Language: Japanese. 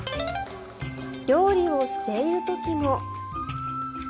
料理をしている時も。